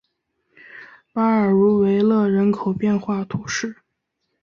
巴尔茹维勒人口变化图示